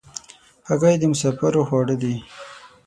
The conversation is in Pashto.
هګۍ د مسافرو خواړه دي.